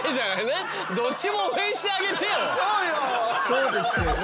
そうですよね。